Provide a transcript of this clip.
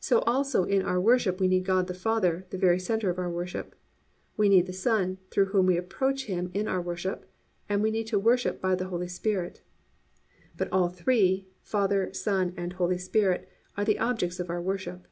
So also in our worship we need God, the Father, the very centre of our worship, we need the Son, through Whom we approach Him in our worship, and we need to worship by the Holy Spirit. But all three—Father, Son and Holy Spirit—are the objects of our worship.